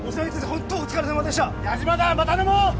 ホントお疲れさまでした矢島だまた飲もう！